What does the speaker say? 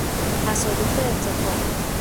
تصادف اتفاق